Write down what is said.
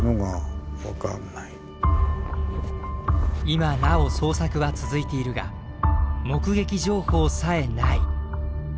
今なお捜索は続いているが目撃情報さえない。